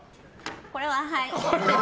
これは、はい。